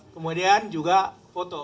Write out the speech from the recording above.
kemudian juga foto